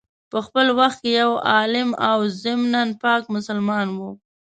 په خپل وخت کي یو عالم او ضمناً پاک مسلمان وو.